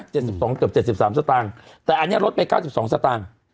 เกือบ๗๓สตางค์แต่อันนี้ลดไป๙๒สตางค์